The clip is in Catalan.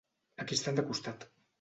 Aquí estan de costat.